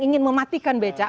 ingin mematikan becak